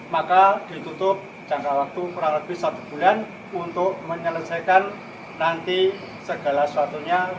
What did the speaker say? maka ditutup jangka waktu kurang lebih satu bulan untuk menyelesaikan nanti segala suatunya